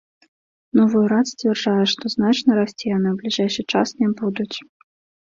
Новы урад сцвярджае, што значна расці яны ў бліжэйшы час не будуць.